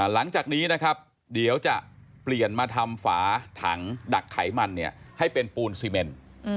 หลังจากนี้นะครับเดี๋ยวจะเปลี่ยนมาทำฝาถังดักไขมันให้เป็นปูนซีเมน